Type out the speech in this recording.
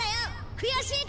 悔しいか！